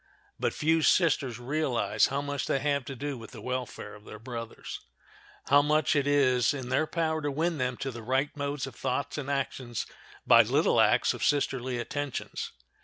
But few sisters realize how much they have to do with the welfare of their brothers—how much it is in their power to win them to the right modes of thoughts and actions by little acts of sisterly attentions.